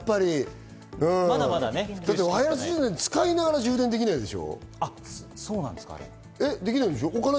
ワイヤレス充電は使いながら充電できないでしょ。